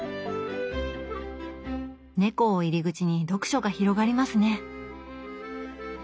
「猫」を入り口に読書が広がりますね